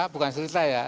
bukan cerita ya